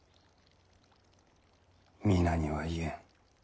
皆には言えん。